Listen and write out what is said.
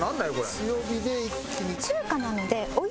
強火で一気に。